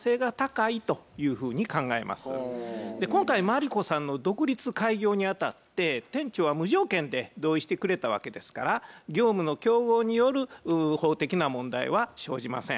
今回マリコさんの独立開業にあたって店長は無条件で同意してくれたわけですから業務の競合による法的な問題は生じません。